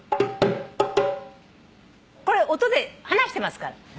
これ音で話してますから。